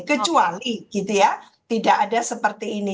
kecuali gitu ya tidak ada seperti ini